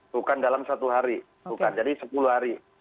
bukan dalam satu hari bukan jadi sepuluh hari